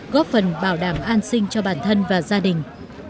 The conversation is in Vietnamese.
góp phần bảo đảm an sinh cho bản thân và gia đình